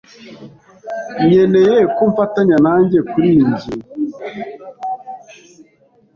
Nkeneye ko mfatanya nanjye kuriyi ngingo.